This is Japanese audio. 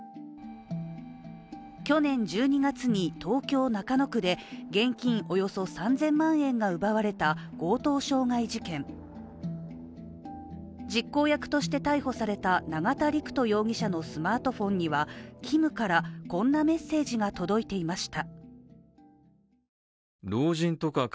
去年１２月に東京・中野区で現金およそ３０００万円が奪われた強盗傷害事件、実行役として逮捕された永田陸人容疑者のスマートフォンにはＫｉｍからこんなメッセージが届いていました。